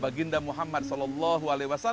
oleh baginda muhammad saw